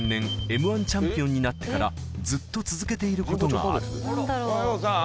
Ｍ−１チャンピオンになってからずっと続けていることがあるおはようさん。